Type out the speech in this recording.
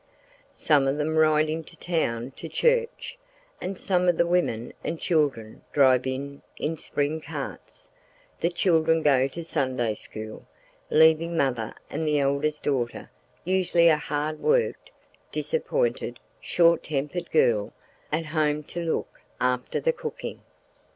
Some of them ride into town to church, and some of the women and children drive in in spring carts—the children to go to Sunday school, leaving mother and the eldest daughter—usually a hard worked, disappointed, short tempered girl—at home to look after the cooking.